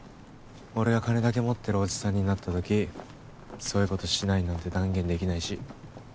俺が金だけ持ってるおじさんになったときそういうことしないなんて断言できないし。